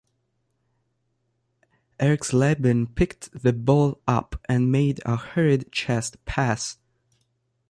Erxleben picked the ball up and made a hurried chest pass.